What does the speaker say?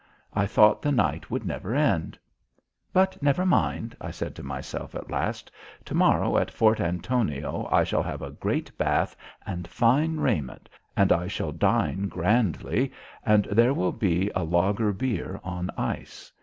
I thought the night would never end. "But never mind," I said to myself at last, "to morrow in Fort Antonio I shall have a great bath and fine raiment, and I shall dine grandly and there will be lager beer on ice.